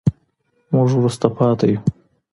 موږ وروسته پاتې يو.